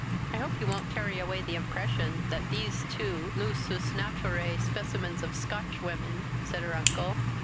"I hope you won't carry away the impression that these two lusus naturae specimens of Scotchwomen," said her uncle.